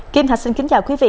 kim hạch xin kính chào quý vị